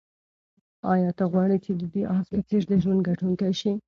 آیا ته غواړې چې د دې آس په څېر د ژوند ګټونکی شې؟